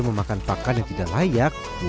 memakan pakan yang tidak layak